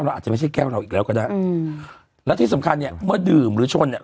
เราอาจจะไม่ใช่แก้วเราอีกแล้วก็ได้อืมแล้วที่สำคัญเนี่ยเมื่อดื่มหรือชนเนี่ย